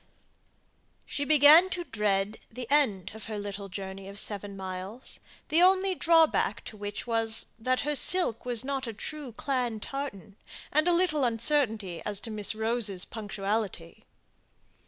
She began to dread the end of her little journey of seven miles; the only drawback to which was, that her silk was not a true clan tartan, and a little uncertainty as to Miss Rose's punctuality.